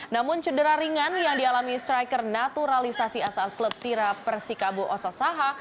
namun cedera ringan yang dialami striker naturalisasi asal klub tira persikabo ososaha